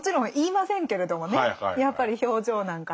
やっぱり表情なんかで。